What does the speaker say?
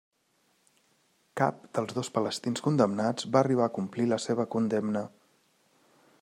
Cap dels dos palestins condemnats va arribar a complir la seva condemna.